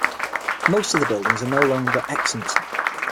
Most of these buildings are no longer extant.